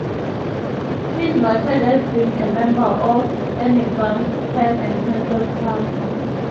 He is noted as being a member of Edinburgh's "Pen and Pencil Club".